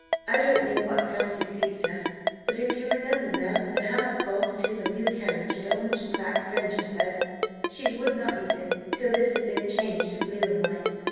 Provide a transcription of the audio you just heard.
I don't know what fancy seized her but if you remember, ma'am, the hammercloth to her new carriage had orange and black fringe at first: she would not use it, till this had been changed to blue and white.